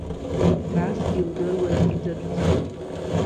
Насгьы, илдыруаз, иӡатәӡам.